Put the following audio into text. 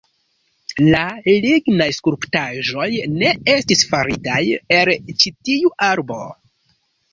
La lignaj skulptaĵoj ne estis faritaj el ĉi tiu arbo.